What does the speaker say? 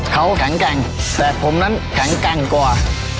เขาขังกังแต่ผมนั้นขังกังกว่า